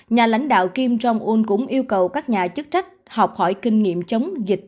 nhà lãnh đạo kim jong un cũng yêu cầu các nhà chức trách học hỏi kinh nghiệm chống dịch